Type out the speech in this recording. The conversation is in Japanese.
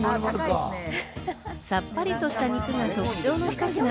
さっぱりとした肉が特徴のひと品。